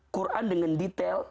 quran dengan detail